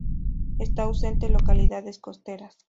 Esta ausente localidades costeras.